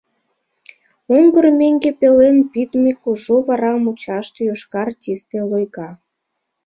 Оҥгыр меҥге пелен пидме кужу вара мучаште йошкар тисте лойга.